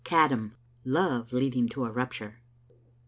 CADDAM— LOVE LEADING TO A RUPTURE.